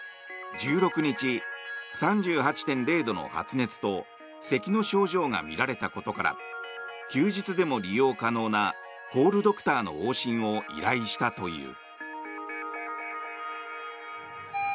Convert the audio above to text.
１６日、３８．０度の発熱とせきの症状が見られたことから休日でも利用可能なコールドクターの往診を依頼したという。